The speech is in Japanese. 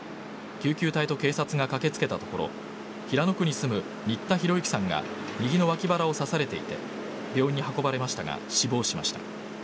救急隊と警察が駆け付けたところ平野区に住む新田浩之さんが右のわき腹を刺されていて病院に運ばれましたが死亡しました。